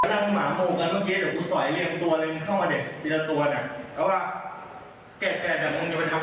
ไอ้ไอ้นั่นมามูก่อนเมื่อกี้เดี๋ยวกูสอยเรียงตัวเลยมึงเข้ามาเด็ก